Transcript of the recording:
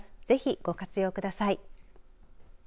ぜひご活用ください。